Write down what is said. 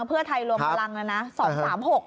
เพื่อไทยรวมพลังน่ะนะ๒๓๖